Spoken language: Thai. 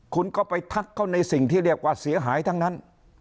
คุณก็ไปทักเขาในสิ่งที่เรียกว่าเสียหายทั้งนั้น